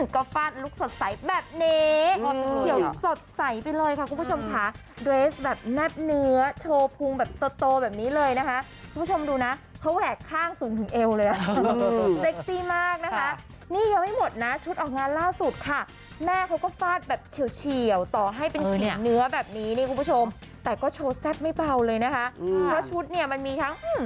ก็ฟาดลุคสดใสแบบนี้เขียวสดใสไปเลยค่ะคุณผู้ชมค่ะเดรสแบบแนบเนื้อโชว์พุงแบบโตแบบนี้เลยนะคะคุณผู้ชมดูนะเขาแหวกข้างสูงถึงเอวเลยอ่ะเซ็กซี่มากนะคะนี่ยังไม่หมดนะชุดออกงานล่าสุดค่ะแม่เขาก็ฟาดแบบเฉียวต่อให้เป็นกลิ่นเนื้อแบบนี้นี่คุณผู้ชมแต่ก็โชว์แซ่บไม่เบาเลยนะคะเพราะชุดเนี่ยมันมีทั้ง